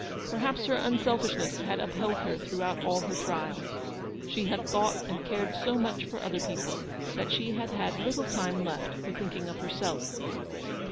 Perhaps her unselfishness had upheld her throughout all her trials. She had thought and cared so much for other people, that she had had little time left for thinking of herself.